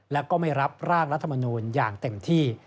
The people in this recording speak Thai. และก็ไม่รับร่างรัฐมนูลอย่างเต็มที่